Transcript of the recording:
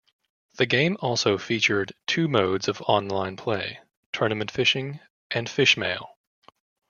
The game also featured two modes of online play: tournament fishing and "fish mail".